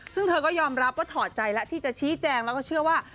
ซึ่งเธอก็ยอมรับว่าถอดใจแล้วที่จะชี้แจงแล้วก็เชื่อว่า